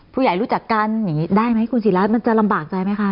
ผู้ใหญ่รู้จักกันได้ไหมคุณศิลามันจะลำบากใจไหมคะ